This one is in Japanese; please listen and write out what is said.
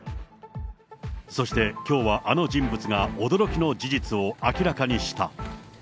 そしてきょうはあの人物が驚きの事実を明らかにした。